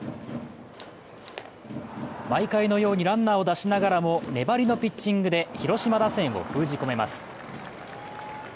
毎回のようにランナーを出しながらも粘りのピッチングで広島打線を封じ込めます。